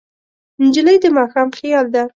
نجلۍ د ماښام خیال ده.